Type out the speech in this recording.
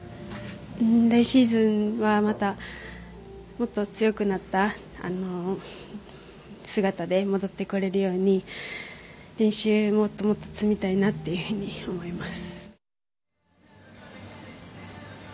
来シーズンは、またもっと強くなった姿で戻ってこれるように練習をもっともっと積みたいなと思います。